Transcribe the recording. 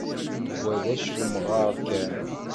Wa d ačellemɣar kan.